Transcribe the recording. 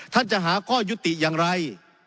จะหาข้อยุติอย่างไร